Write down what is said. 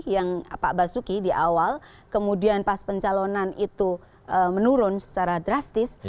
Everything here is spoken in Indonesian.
yang pak basuki di awal kemudian pas pencalonan itu menurun secara drastis